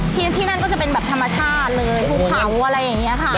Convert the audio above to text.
ที่นั่นก็จะเป็นแบบธรรมชาติเลยภูเขาอะไรอย่างนี้ค่ะ